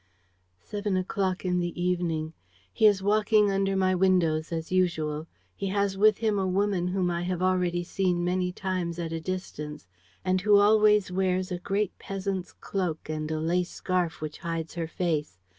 "Seven o'clock in the evening. "He is walking under my windows as usual. He has with him a woman whom I have already seen many times at a distance and who always wears a great peasant's cloak and a lace scarf which hides her face.